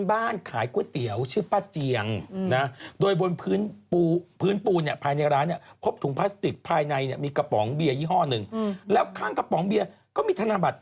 ได้ไหนพี่โดนในไอจีโอ้นางด่าในเฟสบุ๊ก